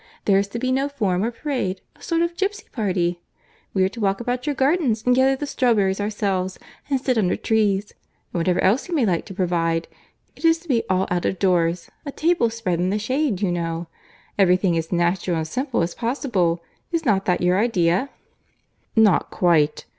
There is to be no form or parade—a sort of gipsy party. We are to walk about your gardens, and gather the strawberries ourselves, and sit under trees;—and whatever else you may like to provide, it is to be all out of doors—a table spread in the shade, you know. Every thing as natural and simple as possible. Is not that your idea?" "Not quite.